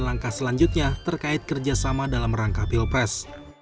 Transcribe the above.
langkah selanjutnya terkait kerjasama dalam rangka pilpres